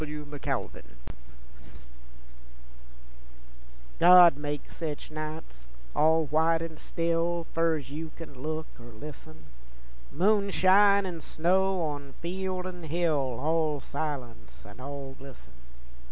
THE COURTIN' God makes sech nights, all white an' still Fur 'z you can look or listen, Moonshine an' snow on field an' hill, All silence an' all glisten.